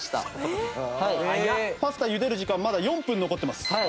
パスタ茹でる時間まだ４分残ってます。